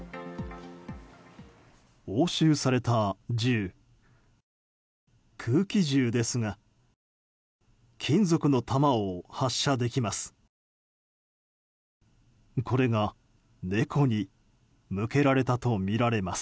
押収された銃、空気銃ですが金属の弾を発射できます。